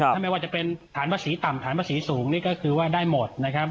ถ้าไม่ว่าจะเป็นฐานภาษีต่ำฐานภาษีสูงนี่ก็คือว่าได้หมดนะครับ